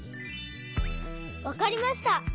わかりました！